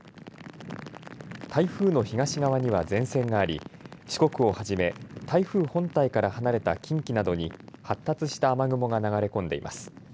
台風の東側には前線があり四国をはじめ台風本体から離れた近畿などに発達した雨雲が流れ込んでいます。